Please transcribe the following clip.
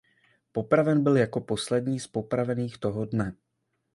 Popraven byl jako poslední z popravených toho dne.